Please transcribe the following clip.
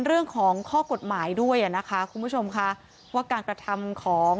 เรื่องของข้อกฎหมายด้วยอ่ะนะคะคุณผู้ชมค่ะว่าการกระทำของ